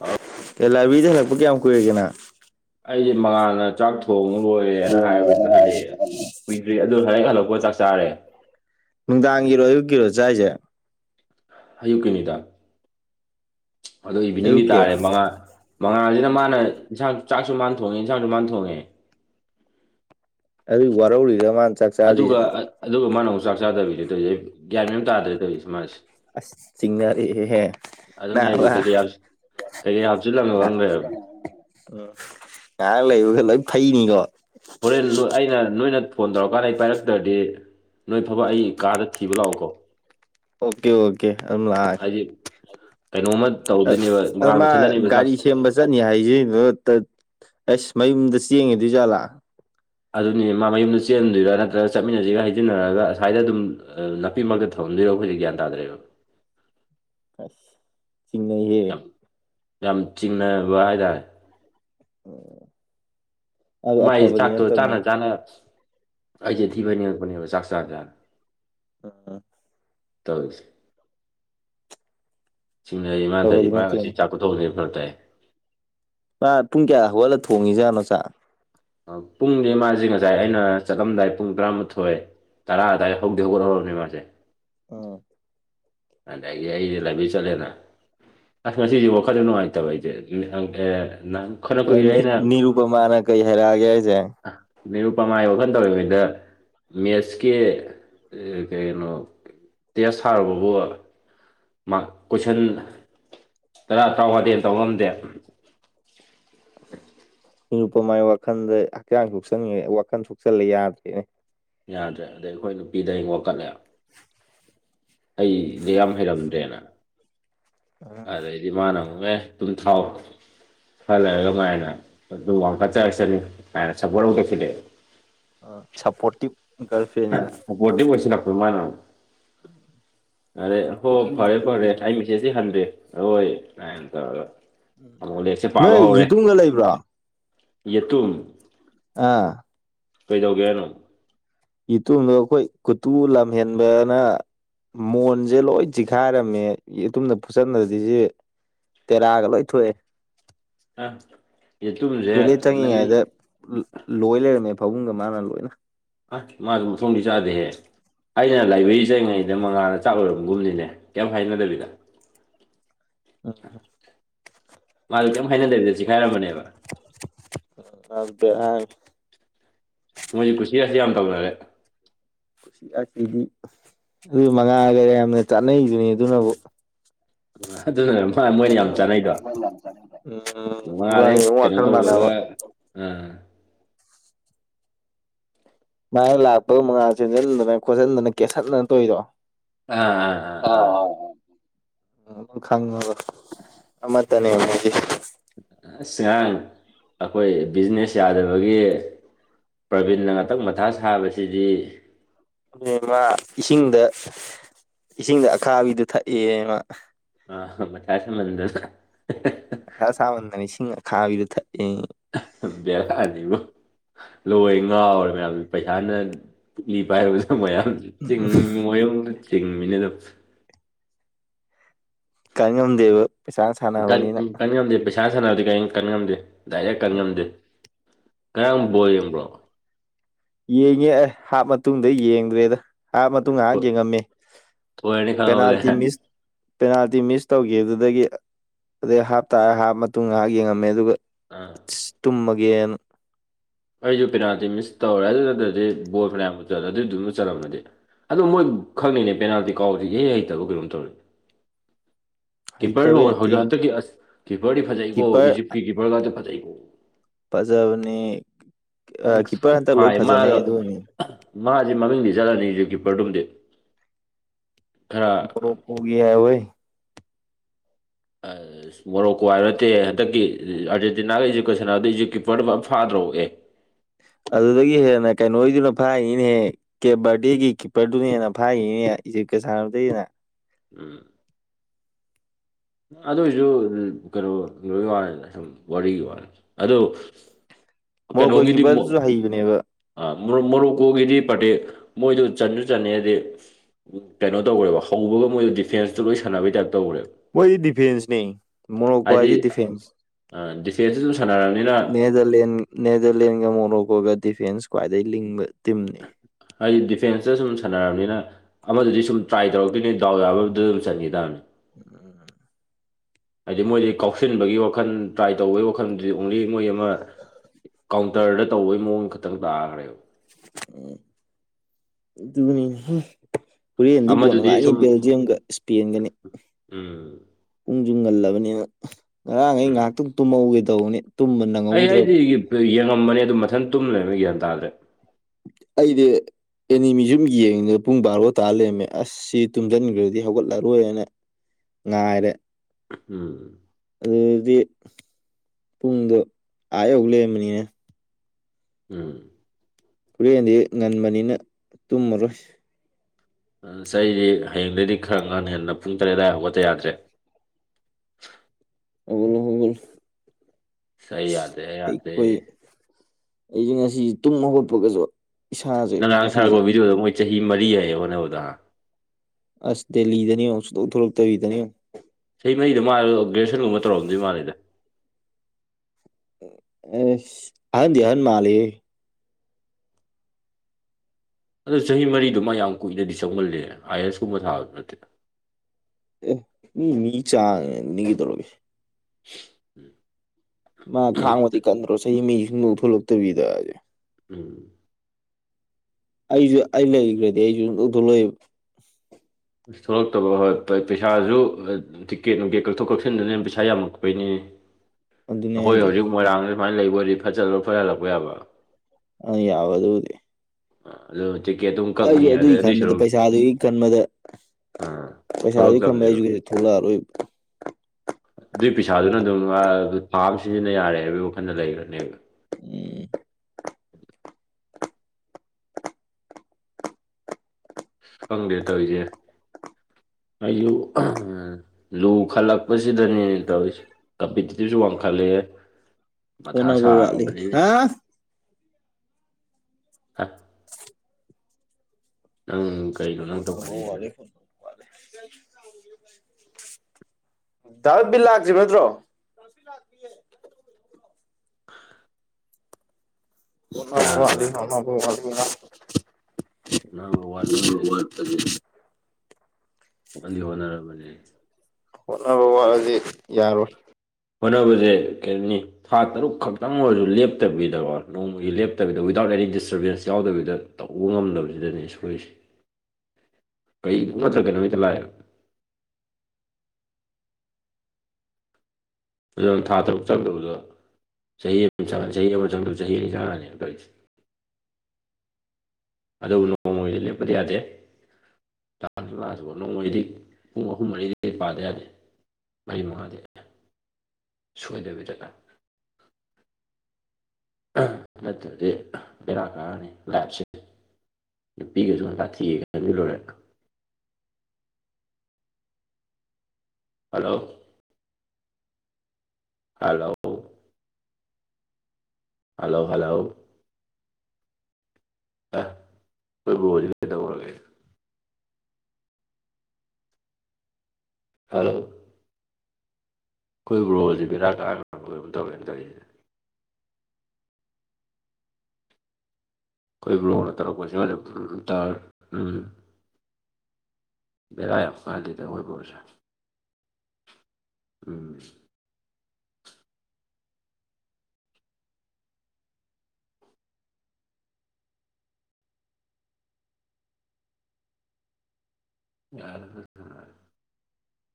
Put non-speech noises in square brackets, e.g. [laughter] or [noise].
ꯑꯧ, ꯂꯥꯕꯦꯔꯤꯗꯩ ꯍꯜꯂꯛꯄ ꯀꯌꯥꯝ ꯀꯨꯏꯔꯒꯦ ꯅꯪ ꯑꯩꯖꯦ ꯃꯉꯥꯜꯅ ꯆꯥꯛ ꯊꯣꯡꯕ ꯂꯣꯏꯔꯦꯅ ꯍꯥꯏꯕꯒꯤꯗ ꯍꯜꯂꯛꯑꯦ ꯀꯨꯏꯗ꯭ꯔꯤ ꯑꯗꯨ ꯅꯍꯦꯛ ꯍꯜꯂꯛꯄ ꯆꯥꯛ ꯆꯥꯔꯦ ꯅꯨꯡꯗꯥꯡꯒꯤꯔꯣ ꯑꯌꯨꯛꯀꯤꯔꯣ ꯆꯥꯏꯖꯦ ꯑꯌꯨꯛꯀꯤꯅꯤꯗ ꯑꯗꯣ ꯏꯕꯤꯅꯤꯡꯗꯤ ꯑꯌꯨꯛꯀꯤ ꯇꯥꯔꯦ ꯃꯉꯥ ꯃꯉꯥꯜꯖꯤꯅ ꯃꯥꯅ ꯏꯟꯁꯥꯡ ꯆꯥꯛꯁꯨ ꯃꯥꯅ ꯊꯣꯡꯉꯦ ꯏꯟꯁꯥꯡꯁꯨ ꯃꯥꯅ ꯊꯣꯡꯉꯦ ꯑꯗꯨ ꯋꯥꯔꯧꯔꯤꯔ ꯃꯥꯅ ꯆꯛ ꯑꯗꯨꯒ ꯑꯗꯨꯒ ꯃꯥꯅ ꯑꯃꯨꯛ ꯆꯥꯛ ꯆꯥꯗꯕꯤꯅꯦ ꯇꯧꯋꯤꯖꯦ ꯑꯩ ꯒ꯭ꯌꯥꯟ ꯃꯦꯟꯑꯝ ꯇꯥꯗ꯭ꯔꯦ ꯇꯧꯔꯤꯖ ꯃꯥꯁꯦ ꯑꯁ ꯆꯁꯤꯡꯅꯔꯛꯑꯦꯍꯦ ꯑꯗꯨꯅꯤ ꯍꯥꯏꯁꯦ ꯅꯕ ꯀꯩꯀꯩ ꯍꯥꯞ- ꯀꯩꯀꯩ ꯍꯥꯆꯤꯜꯂꯅꯣ ꯈꯪꯗ꯭ꯔꯦꯕ ꯎꯝ ꯉꯥꯏꯍꯛ ꯂꯩꯕꯒ ꯂꯣꯏ ꯐꯩꯅꯤꯀꯣ ꯍꯣꯔꯦꯜ ꯑꯩꯅ ꯅꯣꯏꯅ ꯐꯣꯟ ꯇꯧꯔꯀꯥꯟꯗ ꯑꯩ ꯄꯥꯏꯔꯛꯇ꯭ꯔꯥꯗꯤ ꯅꯣꯏ ꯐꯕ ꯑꯩ ꯀꯥꯗ ꯊꯤꯕ ꯂꯥꯛꯎꯀꯣ ꯑꯣꯀꯦ ꯑꯣꯀꯦ ꯑꯗꯨꯝ ꯂꯥꯛꯑꯥ ꯑꯩ ꯀꯩꯅꯣꯝꯃ ꯇꯧꯗꯣꯏꯅꯦꯕ ꯃꯉꯥꯜ ꯑꯃ ꯃꯊꯟꯗꯅꯦꯕ ꯆꯥꯛ ꯒꯥꯔꯤꯁꯤꯕ ꯆꯠꯅꯤ ꯍꯥꯏꯖꯤ ꯗꯠ ꯇꯠ ꯑꯁ ꯃꯌꯨꯝꯗ ꯆꯦꯡꯉꯤꯗꯣꯏ ꯖꯥꯥꯠꯂꯥ ꯑꯗꯨꯅꯤ ꯃꯥ ꯃꯌꯨꯝꯗ ꯆꯦꯟꯗꯣꯏꯔꯥ ꯅꯠꯇ꯭ꯔꯒ ꯆꯠꯃꯤꯟꯅꯁꯤꯒ ꯍꯩꯖꯤꯟꯅꯔꯒ ꯑꯁꯥꯏꯗ ꯑꯗꯨꯝ ꯅꯥꯞꯄꯤꯃꯔꯛꯇ ꯊꯝꯗꯣꯏꯔꯣ ꯑꯈꯣꯏꯖꯦ ꯒ꯭ꯌꯥꯟ ꯇꯥꯗꯔ꯭ꯦꯕ ꯆꯤꯡꯅꯩ ꯍꯦ ꯌꯥꯝ ꯌꯥꯝ ꯆꯤꯡꯅꯕ ꯍꯥꯏꯇꯥꯔꯦ ꯑꯣ ꯃꯥꯏ ꯆꯥꯛꯇꯣ ꯆꯥꯅ ꯆꯥꯅ ꯑꯩꯖꯦ ꯊꯤ ꯐꯥꯏꯅꯤꯡꯉꯛꯄꯅꯦꯕ ꯆꯥꯛ ꯆꯥ ꯆꯥꯅ ꯑ ꯇꯧꯔꯤꯁꯦ ꯁꯤꯡꯅꯔꯤ ꯏꯃꯥꯅ ꯑꯐꯕꯗꯤ ꯇꯧꯏꯁꯦ ꯃꯥ ꯅꯠꯇꯦꯅꯦ ꯉꯁꯤ ꯆꯥꯎꯈꯠ ꯗꯧ ꯂꯩꯔ ꯐꯔꯛꯇꯥꯏ ꯃꯥ ꯄꯨꯡ ꯀꯌꯥ ꯍꯧꯒꯠꯂ ꯊꯣꯡꯉꯤꯖꯥꯠꯅꯣ ꯆꯥꯛ ꯑꯥ ꯄꯨꯡꯅꯦ ꯃꯖꯦ ꯉꯁꯥꯏ ꯑꯩꯅ ꯆꯠꯂꯝꯗꯥꯏ ꯄꯨꯡ ꯇꯔꯥꯃꯊꯣꯏ ꯇꯔꯥ ꯑꯗꯥꯏꯗ ꯍꯧꯗꯤ ꯍꯧꯒꯠ ꯍꯧꯔꯕꯅꯤ ꯃꯥꯁꯦ ꯎꯝ ꯑꯗꯒꯤ ꯑꯩꯗꯤ ꯂꯥꯢꯕ꯭ꯔꯤ ꯆꯠꯂꯦꯅ ꯑꯁ ꯉꯁꯤꯁꯤ ꯋꯥꯈꯜꯖꯨ ꯅꯨꯡꯉꯥꯏꯇꯕ ꯑꯩꯖꯦ ꯌꯨꯁꯥꯡ ꯊꯛꯑꯦ ꯅꯪ ꯀꯩ ꯅꯤꯍꯤꯠ ꯅꯤꯔꯨꯄꯃꯥꯥꯅ ꯀꯩ ꯍꯥꯔꯛꯑꯒꯦ ꯍꯥꯏꯒꯦ ꯑꯥ ꯅꯤꯔꯨꯄꯃꯥꯏ ꯋꯥꯈꯜ ꯇꯧꯔꯤꯉꯩꯗ ꯃꯦꯠꯁꯀꯤ [unintelligible] ꯇꯦꯁ ꯊꯔꯨꯕꯕꯨ ꯃꯥ ꯀꯣꯏꯁꯟ ꯇꯔꯥ ꯇꯔꯥꯃꯉꯥ ꯗꯩ ꯍꯦꯅ ꯇꯧ ꯉꯝꯗꯦ ꯅꯤꯔꯨꯞꯄꯃꯥꯏ ꯋꯥꯈꯟꯗ ꯍꯛꯆꯥꯡ ꯁꯣꯛꯆꯟꯉꯦ ꯋꯥꯈꯟ ꯁꯣꯛꯆꯜꯂꯦ ꯌꯥꯗ꯭ꯔꯦꯅꯦ ꯌꯥꯗ꯭ꯔꯦ ꯑꯗꯩ ꯑꯩꯈꯣꯏ ꯅꯨꯄꯤꯗ ꯑꯩ ꯋꯥꯀꯠꯂꯦ ꯑꯩ ꯗꯤ ꯌꯥꯝ ꯍꯩꯔꯝꯗ꯭ꯔꯦꯅ ꯑꯗꯩꯗꯤ ꯃꯥꯅ ꯑꯃꯨꯛ ꯑꯦ ꯄꯨꯝꯊꯥꯎ ꯈꯔ ꯂꯩꯔꯒ ꯃꯥꯏꯅ ꯑꯗꯨ ꯋꯥꯡ ꯈꯠ ꯆꯠꯔꯁꯅꯤ ꯀꯥꯏꯅ ꯁꯄꯣꯔ ꯑꯃꯨꯛ ꯇꯧꯊꯤꯜꯂꯦ ꯑ ꯁꯄꯣꯔꯇꯤꯚ ꯑ ꯁꯄꯣꯔꯇꯤꯞ ꯑꯣꯏꯁꯤꯜꯂꯛꯄꯗꯣ ꯃꯥꯅꯑꯣꯏ ꯑꯔꯩ ꯍꯣ ꯐꯔꯦ ꯍꯣꯠꯅꯅꯤꯡꯉꯤꯁꯦ ꯐꯔꯦ ꯑꯗꯨꯗꯅꯦ ꯑꯩ ꯆꯦꯁꯤ ꯍꯟꯗꯦ ꯑꯣꯏ ꯁꯥꯏꯅ ꯇꯧꯔꯒ ꯑꯃꯨꯛ ꯂꯦꯛꯁꯦ ꯄꯥꯕ ꯍꯧꯔꯦ ꯂꯩꯕ꯭ꯔꯥ ꯌꯦꯠꯇꯨꯝ ꯑꯥ ꯀꯩꯗꯧꯒꯦ ꯍꯥꯏꯅꯣ ꯌꯦꯇꯨꯝꯗꯣ ꯑꯩꯈꯣꯏ ꯀꯨꯇꯨ ꯂꯝꯍꯦꯟꯕꯅ ꯃꯣꯟꯖꯦ ꯂꯣꯏ ꯆꯤꯛꯈꯥꯏꯔꯝꯃꯦ ꯌꯦꯇꯨꯝꯅ ꯐꯣꯠꯆꯟꯗꯗꯤꯁꯦ ꯇꯦꯔꯥꯒ ꯂꯣꯏ ꯊꯣꯛꯑꯦ ꯑꯥ ꯇꯣꯏꯂꯦꯠ ꯆꯪꯉꯤꯉꯩꯗ ꯂꯣꯏ ꯂꯩꯔꯝꯃꯦ ꯐꯃꯨꯡꯒ ꯃꯥꯅ ꯂꯣꯏꯅ ꯑ ꯃꯥꯖꯨ ꯃꯊꯣꯡꯗꯤ ꯆꯥꯗꯦꯍꯦ ꯑꯩꯅ ꯂꯥꯏꯕ꯭ꯔꯦꯔꯤ ꯆꯠꯔꯤꯉꯩꯗ ꯃꯉꯥꯜꯅ ꯆꯥꯛꯂꯣꯏꯔꯝꯒꯨꯝꯅꯤꯅꯦ ꯀꯩꯝ ꯍꯥꯏꯅꯗꯕꯤꯗ ꯎꯝ ꯃꯥꯖꯨ ꯀꯩꯝ ꯍꯥꯏꯅꯗꯕꯤꯗ ꯆꯤꯛꯈꯥꯏꯔꯝꯕꯅꯦꯕ ꯗ ꯍꯥꯏ ꯃꯣꯏꯖꯦ ꯀꯨꯁꯤ ꯔꯁꯤ ꯌꯥꯝ ꯇꯧꯅꯔꯦ ꯍꯤꯗꯥꯛꯀꯤꯗꯤ ꯑꯗꯨ ꯃꯉꯥꯜꯒ ꯌꯥꯝꯅ ꯆꯥꯅꯩꯗꯨꯅꯤ ꯑꯗꯨꯅꯕꯨ ꯑꯗꯨꯅꯔ ꯃꯥ ꯃꯣꯏꯅ ꯌꯥꯝ ꯆꯥꯅꯩꯗꯣ ꯎꯝ ꯅꯨꯡꯉꯥꯔꯦ ꯏꯕꯥꯅꯤ ꯑꯃꯨꯛ ꯀꯩꯅꯣ ꯋꯥꯈꯜ ꯃꯥꯟꯅꯕ ꯇꯧꯕꯒ ꯑ ꯃꯥꯥꯏ ꯂꯥꯛꯄꯒ ꯃꯉꯥ ꯆꯦꯟꯁꯤꯟꯗꯅ ꯈꯣꯠꯆꯟꯗꯅ ꯀꯦꯠꯊꯠꯗꯅ ꯇꯧꯗꯣ ꯑꯥ ꯑꯥ ꯑꯥ ꯑ ꯑꯥ ꯑꯥꯎ ꯑꯗꯨꯝ ꯈꯪꯉꯕꯅꯤ ꯇꯅꯦꯦꯗꯤ [unintelligible] ꯑꯁ ꯉꯔꯥꯡ ꯑꯩꯈꯣꯏ ꯕꯤꯖꯤꯅꯦꯁ ꯌꯥꯗꯕꯒꯤ ꯄ꯭ꯔꯕꯤꯟꯟꯅ ꯉꯥꯛꯇꯪ ꯃꯊꯥ ꯁꯥꯕꯁꯤꯗꯤ ꯑꯗꯨꯅꯦ ꯏꯃ ꯏꯁꯤꯡꯗ ꯏꯁꯤꯡꯗ ꯑꯈꯥꯕꯤꯗꯨ ꯊꯛꯑꯦꯃ ꯑꯥ ꯃꯇꯥꯏ ꯊꯃꯜꯗꯁ ꯃꯊꯥ ꯁꯥꯃꯟꯗꯅꯤ ꯏꯁꯤꯡ ꯑꯈꯥꯕꯤꯗꯣ ꯊꯛꯑꯦꯌꯦ ꯕꯦꯔꯥ ꯇꯅꯤꯕꯣ [unintelligible] ꯂꯣꯏ ꯉꯥꯎꯔꯦ ꯃꯌꯥꯝꯗꯨ ꯄꯩꯁꯥꯅ ꯄꯨꯛꯂꯤꯕ ꯍꯥꯏꯕꯁꯨ ꯃꯌꯥꯝ ꯆꯤꯡ ꯃꯣꯌꯜꯗ ꯆꯤꯡꯃꯤꯅꯦꯗꯨꯝ ꯀꯥꯏ ꯉꯝꯗꯦꯕ ꯄꯩꯁꯥ ꯒꯟ ꯁꯥꯟꯅꯕꯅꯤꯅ ꯀꯟꯉꯝꯗꯦ ꯄꯩ ꯏꯁꯥ ꯁꯥꯟꯅꯕꯗꯤ ꯀꯔꯤꯝ ꯀꯟ ꯉꯝꯗꯦ ꯗꯥꯏꯔꯦꯛ ꯀꯟ ꯉꯝꯗꯦ ꯉꯔꯥꯡ ꯕꯣꯜ ꯌꯦꯡꯕ꯭ꯔꯣ ꯌꯦꯡꯉꯦ ꯑꯦ ꯍꯥꯞ ꯃꯇꯨꯡꯗ ꯌꯦꯡꯗ꯭ꯔꯦꯗ ꯍꯥ ꯃꯇꯨꯡ ꯉꯥꯏꯍꯥꯛ ꯊꯣ- ꯌꯦꯡꯉꯝꯃꯤ ꯊꯣꯏꯔꯅꯤ ꯈꯪꯉꯕꯅꯦ ꯄꯦꯅꯥꯜꯇꯤ ꯃꯤꯁ ꯄꯦꯅꯥꯜꯇꯤ ꯃꯤꯁ ꯇꯧꯈꯤꯕꯗꯨꯗꯒꯤ ꯑꯗꯩ ꯍꯥꯞꯇꯥꯔꯦ ꯍꯥꯞ ꯃꯇꯨꯡ ꯉꯥꯏꯍꯥꯛ ꯌꯦꯡꯉꯝꯃꯦ ꯑꯗꯨꯒ ꯑꯥ ꯇꯨꯝꯃꯒꯦ ꯑꯩꯁꯨ ꯄꯦꯅꯥꯜꯇꯤ ꯃꯤꯁ ꯇꯧꯔꯦ ꯑꯗꯨ ꯅꯠꯇ꯭ꯔꯗꯤ ꯕꯣꯜ ꯃꯌꯥꯝ ꯆꯠꯂꯦ ꯑꯗꯨꯏꯗꯨꯝ ꯆꯠꯂꯝꯃꯗꯤ ꯑꯗꯣ ꯃꯣꯏ ꯈꯪꯅꯤꯡꯅꯦ ꯄꯦꯅꯥꯜꯇꯤ ꯀꯥꯎꯗ ꯍꯩ ꯍꯩꯇꯕ ꯀꯩꯅꯣꯝ ꯇꯧꯔꯤ ꯍꯩꯇꯕꯩ ꯀꯤꯞꯄꯔꯣꯏ ꯅꯠꯇꯦ ꯍꯧꯖꯤꯛ ꯍꯟꯗꯛꯀꯤ ꯑꯁ ꯀꯤꯞꯄꯔꯗꯤ ꯐꯖꯩꯀꯣ ꯀꯤꯞꯄꯔ ꯏꯖꯤꯞꯀꯤ ꯀꯤꯞꯄꯔ ꯉꯥꯛꯇ ꯐꯖꯩꯀꯣ ꯐꯖꯕꯅꯦ ꯑꯁ ꯀꯤꯞꯄꯔ ꯐꯖꯅ ꯍꯟꯇ ꯂꯣꯏ ꯐꯥꯏ ꯐꯖꯅꯩ ꯃꯥꯗꯣ ꯑꯗꯨꯅꯤ ꯃꯥꯁꯦ ꯃꯃꯤꯡꯗꯤ ꯆꯠꯂꯅꯤ ꯌꯖꯤꯛꯀꯤꯞꯄꯔꯗꯨꯝꯗꯤ ꯈꯔ [unintelligible] [unintelligible] ꯃꯣꯔꯣꯀꯣ ꯍꯥꯏꯔ ꯅꯠꯇꯦ ꯍꯟꯗꯛꯀꯤ ꯑꯥꯔꯖꯦꯟꯇꯤꯅꯥꯒ ꯏꯖꯨꯀꯦꯁꯅꯥꯗ ꯏꯖꯨꯀꯤꯞꯄꯔꯗꯨ ꯑꯃ ꯐꯥꯗ꯭ꯔꯣ ꯑꯦ ꯑꯗꯨꯗꯒꯤ ꯍꯦꯟꯅ ꯀꯩꯅꯣ ꯑꯣꯏꯗꯨꯅꯣ ꯐꯥꯏꯅꯤꯅꯍꯦ ꯀꯦꯕꯥꯔꯗꯤꯒꯤ ꯀꯤꯞꯄꯔꯗꯨꯅꯦꯅ ꯐꯥꯉꯤꯅꯦ ꯏꯆꯤꯞꯀ ꯁꯥꯟꯅꯔꯗꯒꯤ ꯍꯦꯅ ꯎꯝ ꯑꯗꯨ ꯑꯣꯏꯁꯨ ꯀꯩꯅꯣ ꯂꯣꯏꯒꯤ ꯋꯥꯅꯤ ꯁꯨꯝ ꯋꯥꯔꯤꯒꯤ ꯋꯥꯅꯤ ꯑꯗꯨ ꯑꯣ ꯀꯩꯅꯣ ꯃꯣꯔꯣꯀꯣꯏ ꯒꯤꯗꯤ‌ꯃꯣꯛ ꯀꯤꯞꯄꯔꯗꯨꯁꯨ ꯍꯩꯕꯅꯦꯕ ꯃꯣꯔꯣꯛꯀꯣꯒꯤꯗꯤ ꯐꯠꯇꯦ ꯃꯣꯏꯗꯨ ꯆꯟꯁꯨ ꯆꯟꯅꯅꯤ ꯍꯥꯏꯗꯤ ꯀꯩꯅꯣ ꯇꯧꯔꯦꯕ ꯍꯧꯕꯒ ꯃꯣꯏꯗꯣ ꯗꯤꯐꯦꯟꯁꯇꯨ ꯂꯣꯏ ꯁꯥꯟꯅꯕꯩ ꯇꯥꯏꯞ ꯇꯧꯔꯦꯕ ꯃꯣꯏꯗꯤꯐꯦꯟꯁ ꯅꯦ ꯍꯥꯏꯗꯤ ꯑ ꯗꯤꯐꯦꯟꯁꯇ ꯑꯗꯨꯝ ꯁꯥꯟꯅꯔꯝ ꯅꯦꯗꯔꯂꯦꯟ ꯅꯦꯗꯔꯂꯦꯟꯒ ꯃꯣꯔꯣꯀꯣꯒ ꯗꯤꯐꯦꯟꯁ ꯈ꯭ꯋꯥꯏꯗꯩ ꯂꯤꯡꯕ ꯇꯤꯝꯅꯤ ꯍꯥꯏꯗꯤ ꯗꯤꯐꯦꯟꯁꯇ ꯁꯨꯝ ꯁꯥꯟꯅꯔꯕꯅꯤꯅ ꯑꯃꯗꯨꯗꯤ ꯁꯨꯝ ꯇ꯭ꯔꯥꯏ ꯇꯧꯔꯛꯇꯣꯏꯅꯤ ꯗꯥꯎ ꯌꯥꯕ ꯑꯃꯗꯨꯗ ꯑꯗꯨꯝ ꯆꯪꯈꯤ ꯇꯥꯕꯅꯦ [inaudible] ꯍꯥꯏꯗꯤ ꯃꯣꯏꯗꯤ ꯀꯥꯎꯁꯤꯟꯕꯒꯤ ꯋꯥꯈꯜ ꯇ꯭ꯔꯥꯏ ꯇꯧꯕꯒꯤ ꯋꯥꯈꯜꯗꯨꯗꯤ ꯑꯣꯡꯂꯤ ꯃꯣꯏ ꯑꯃ ꯀꯥꯎꯟꯇꯔꯗ ꯇꯧꯕꯩ ꯃꯑꯣꯡ ꯈꯛꯇꯪ ꯇꯥꯈ꯭ꯔꯦꯕ ꯎ ꯑꯗꯨꯅꯤꯅꯦꯍꯦ ꯍꯨꯔꯤꯟꯗꯤ ꯕꯣꯠ ꯑꯃꯗꯨꯗꯤ ꯅꯨꯡꯉꯥꯏꯅꯤ ꯁꯨꯝ ꯕꯦꯜꯖꯤꯌꯝꯒ ꯏꯁꯄꯦꯟꯒꯅꯤ ꯎꯝ ꯄꯨꯡꯁꯨ ꯉꯜꯂꯕꯅꯦꯕ ꯉꯔꯥꯡꯈꯩ ꯎꯝ ꯉꯥꯏꯍꯥꯛꯇꯪ ꯇꯨꯝꯍꯧꯒꯦ ꯇꯧꯕꯅꯤ ꯇꯨꯝꯕ ꯑꯩ ꯅꯪꯍꯧꯗ꯭ꯔꯕ ꯍꯥꯏꯗꯤ ꯌꯦꯡꯉꯝꯕꯅꯦ ꯑꯗꯨꯝ ꯃꯊꯟ ꯇꯨꯝ ꯂꯩꯔꯝꯃꯦ ꯒ꯭ꯌꯥꯟ ꯇꯥꯗ꯭ꯔꯦ ꯑꯩꯗꯤ ꯑꯦꯅꯤꯃꯤꯌꯨꯖꯨꯝ ꯌꯦꯡꯉꯤꯗ ꯄꯨꯡ ꯕꯥꯔꯣ ꯇꯥꯔ ꯂꯩꯔꯝꯃꯦ ꯑꯁ ꯁꯤ ꯇꯨꯝꯁꯤꯟꯈ꯭ꯔꯗꯤ ꯍꯧꯒꯠꯂꯔꯣꯏꯅ ꯉꯥꯏꯔꯦ ꯎꯝ ꯑꯗꯨꯗꯤ ꯄꯨꯡꯗꯣ ꯑꯥ ꯌꯧ ꯂꯩꯔꯝꯕꯅꯤꯅꯦ [unintelligible] ꯎꯝ ꯀꯨꯔꯦꯟꯗꯤ ꯉꯟꯕꯅꯤꯅ ꯇꯨꯝꯃꯔꯣꯏ ꯑꯁ ꯑꯩꯗꯤ ꯍꯌꯦꯡꯗꯒꯤꯗꯤ ꯈꯔ ꯉꯟꯅ ꯍꯦꯟꯅ ꯄꯨꯡ ꯇꯔꯦꯠ ꯑꯗꯨꯋꯥꯏ ꯍꯧꯒꯠꯇ ꯌꯥꯗ꯭ꯔꯦ [inaudible] ꯑꯁ ꯑꯩ ꯌꯥꯗ꯭ꯔꯦ ꯑꯩ ꯌꯥꯗ꯭ꯔꯦ ꯑꯩꯁꯦ ꯉꯁꯤ ꯇꯨꯝꯕ ꯍꯣꯠꯄꯒꯁꯨ ꯅꯔꯥꯡ ꯊꯥꯔꯛꯄ ꯕꯤꯗꯤꯑꯣꯗꯣ ꯃꯣꯏ ꯆꯍꯤ ꯃꯔꯤ ꯌꯥꯌꯦ ꯍꯣꯠꯅꯕꯗ ꯑꯁ ꯗꯦꯜꯂꯤꯗꯅꯤ ꯌ‌ꯦꯡꯉ‌ꫭ ꯁꯨꯛꯊꫭꯛꯂꯛꯇꯕꯤꯗꯅ‌ꯦ ꯌ‌ꫭꯡ ꯆꯍꯤ ꯃꯔꯤꯗ ꯃꯥꯖꯨ ꯒ꯭ꯔ‌ꯦꯖ꯭ꯋ‌ꯦꯁꯟꯒꯨꯝꯕ ꯇꯧꯔꯝꯗꯣꯏ ꯃꯥꯜꯂꯤꯗ ꯑꯦ ꯑꯍꯟꯗꯤ ꯑꯍꯟ ꯃꯥꯂꯦ ꯑꯗꯣ ꯆꯍꯤ ꯃꯔꯤꯗꯨꯃ ꯌꯥꯝ ꯀꯨꯏꯅꯗꯤ ꯆꯪꯃꯜꯂꯦ ꯑꯥꯏ ꯑꯦꯁ ꯀꯨꯝꯕ ꯊꯥꯕ ꯅꯠꯇꯦ ꯑꯦ ꯃꯤ ꯃꯤ ꯆ ꯅꯤꯡꯃꯤ [unintelligible] [unintelligible] ꯃꯥ ꯈꯥꯡꯕꯗꯤ ꯀꯟꯗ꯭ꯔꯣ ꯆꯍꯤ ꯃꯤꯁꯤꯡꯗ ꯊꯣꯛꯂꯛꯇꯕꯤꯗ ꯎꯝ ꯑꯩꯁꯨ ꯑꯩ ꯂꯩ [unintelligible] ꯊꯣꯛꯂꯛꯇꯕ ꯍꯣꯏ ꯄꯩꯁꯥꯁꯨ ꯇꯤꯛꯀꯦꯠ ꯅꯨꯡꯀꯦꯠ ꯀꯛꯊꯣꯛ ꯀꯛꯁꯤꯟꯗꯅꯦꯅ ꯄꯩꯁꯥ ꯌꯥꯝꯃꯛꯄꯩꯅꯤꯍ‌ꯦ ꯑꯗꯨꯅꯦ ꯑꯩꯈꯣꯏ ꯍꯥꯏꯁꯦ ꯍꯧꯖꯤꯛ ꯃꯣꯏꯔꯥꯡꯗ ꯁꯨꯃꯥꯏꯅ ꯂꯩꯕ ꯑꯣꯏꯗꯤ ꯐꯠ ꯆꯠꯂ ꯐꯠ ꯍꯜꯂꯛꯄ ꯌꯥꯕ ꯑ ꯌꯥꯎꯗꯨꯗꯤ ꯑꯗꯨ ꯇꯤꯛꯀꯦꯠ ꯑꯗꯨꯝ ꯑꯩꯁꯨ ꯀꯛꯅꯤ ꯑꯗꯩ ꯑꯗꯨꯒꯤ ꯑꯗꯨꯏ ꯈꯟꯕꯗ ꯁꯔꯨꯛ ꯄꯩꯁꯥꯗꯨꯒꯤ ꯈꯟꯕꯗ ꯑꯥ ꯄꯩꯁꯤꯒꯤ ꯈꯟꯕꯗ ꯊꯣꯛꯂꯛꯇꯕꯅꯦꯕ ꯑꯩꯁꯨ ꯀꯩꯁꯨ ꯊꫭꯛꯂꯛꯑꯔꫭꯏ ꯑꯗꯨꯏ ꯄꯩꯁꯥꯗꯨꯅ ꯑꯗꯨꯝ ꯊꯥꯝ ꯁꯤꯖꯤꯟꯅ ꯌꯥꯔꯦ ꯍꯥꯏꯕꯒꯤ ꯋꯥꯈꯜꯗ ꯂꯩꯈ꯭ꯔꯅꯦꯕ ꯎꯝ ꯈꯪꯗꯦ ꯇꯧꯔꯤꯁꯦ ꯑꯩꯁꯨ ꯂꯨ ꯈꯠꯂꯛꯄꯁꯤꯗꯅꯦꯅ ꯇꯧꯔꯤꯁꯦ ꯀꯝꯄꯤꯇꯤꯇꯤꯞꯁꯨ ꯋꯥꯡꯈꯠꯂꯛꯑꯦ ꯃꯊꯥ ꯍꯣꯠꯅꯕ ꯋꯥꯠꯂꯤ ꯍꯥ ꯁꯥꯔꯕꯅꯤꯅ‌ꯦ ꯍꯥ ꯑꯪ ꯍꯣꯠꯅꯕ ꯋꯥꯠꯂ‌ꯦ ꯗꯥꯜ ꯕꯤꯜ ꯂꯥꯛꯇ꯭ꯔꯤꯕ ꯅꯠꯇ꯭ꯔꯣ ꯉꯁꯤ ꯂꯥꯛꯇꯤꯌ‌ꯦ [unintelligible] ꯁꯦꯔꯥꯟ ꯇꯨꯔꯥꯟ ꯍꯣꯠꯅꯕ ꯋꯥꯠꯄꯁꯦ [unintelligible] ꯍꯣꯟꯗꯤ ꯍꯣꯠꯅꯔꯕꯅꯦ ꯍꯣꯠꯅꯕ ꯋꯥꯠꯂꯗꯤ ꯌꯥꯔꯣꯏ ꯍꯣꯠꯅꯕꯁꯦ ꯀꯩꯅꯤ ꯊꯥ ꯇꯔꯨꯛ ꯈꯛꯇꯪ ꯑꯣꯏꯔꯁꯨ ꯂꯦꯞꯇꯕꯤꯗꯀꯣ ꯅꯣꯡꯃꯒꯤ ꯂꯦꯞꯇꯕꯤꯗ ꯋꯤꯗꯥꯎꯠ ꯑꯦꯅꯤ ꯗꯤꯁꯇꯔꯕꯦꯟꯁ ꯌꯥꯎꯗꯕꯤꯗ ꯇꯧꯕ ꯉꯝꯗꯕꯁꯤꯗꯅꯦ ꯏꯁꯣꯏꯁꯦ ꯀꯔꯤꯒ ꯅꯠꯇ꯭ꯔ ꯀꯩꯅꯣ ꯍ‌ꯦꯛꯇ ꯂꯥꯛꯑꯦꯕ ꯑꯗꯨꯅ ꯊꯥ ꯇꯔꯨꯛ ꯆꯪꯂꯨꯕꯗꯣ ꯆꯍꯤ ꯑꯃꯆꯡ ꯆꯍꯤ ꯑꯃ ꯆꯪꯗꯣ ꯆꯍꯤ ꯑꯅꯤ ꯆꯥꯡꯉꯅꯤꯅ ꯇꯧꯔꯤꯁꯦ ꯑꯗꯨꯕꯨ ꯅꯣꯡꯃꯒꯤꯗꯤ ꯂꯦꯞꯄꯗꯤ ꯌꯥꯗꯦ ꯇꯥꯗꯅ [unintelligible] ꯅꯣꯡꯃꯩꯗꯤ ꯄꯨꯡ ꯑꯍꯨꯝ ꯃꯔꯤꯗꯤ ꯀꯩ ꯄꯥꯗ ꯌꯥꯗꯦ ꯃꯔꯤ ꯃꯉꯥꯗꯤ ꯁꯣꯏꯗꯕꯤꯗꯅ ꯑꯥ ꯅꯠꯇ꯭ꯔꯗꯤ ꯕꯦꯔꯥ ꯀꯥꯔꯅꯤ ꯂꯥꯏꯞꯁ‌ꯦ ꯅꯨꯄꯤꯒꯥꯁꯨ ꯍꯟꯇꯥ ꯊꯤꯒꯥꯅꯨꯗꯥ ꯂꯣꯏꯔꯦ ꯍꯜꯂꯣ ꯍꯜꯂꯣ ꯍꯜꯂꯣ ꯍꯜꯂꯣ ꯑꯦ ꯈꯣꯏ ꯕ꯭ꯔꯣꯖꯤ ꯀꯩꯗꯧꯒꯔꯒꯦ ꯍꯂꯣ ꯑꯩꯈꯣꯏ ꯕꯔꯣꯖꯤ ꯕꯤꯔꯥ ꯀꯥꯔ ꯀꯩꯅꯣꯝ ꯇꯧꯔꯦꯅꯦ ꯇꯧꯔꯤꯖꯦ ꯑꯩꯈꯣꯏ ꯕ꯭ꯔꯣꯅ ꯇꯧꯔꯛꯄꯁꯤꯃ ꯎꯝ ꯇꯧꯏ ꯕꯦꯔꯥ ꯌꯥꯝ ꯀꯥꯍꯜꯂꯤꯗꯥ ꯑꯈꯣꯏ ꯕꯔꯣꯁꯦ ꯎꯝ [unintelligible]